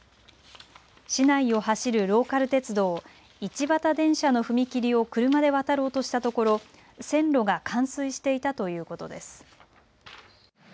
市内を走るローカル鉄道、一畑電車の踏切を車で渡ろうとしたところ線路が冠水していたということです。